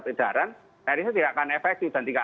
di dalam surat edaran ini sendiri